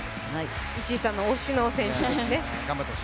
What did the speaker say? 石井さんの推しの選手ですね。